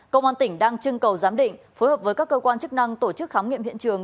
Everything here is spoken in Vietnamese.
công an tỉnh đang trưng cầu giám định phối hợp với các cơ quan chức năng tổ chức khám nghiệm hiện trường